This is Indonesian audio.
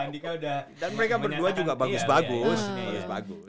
dan mereka berdua juga bagus bagus